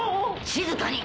静かに！